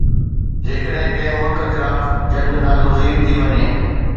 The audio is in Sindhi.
جيڪڏهن ڪنهن ملڪ خلاف جنگ ناگزير ٿي وڃي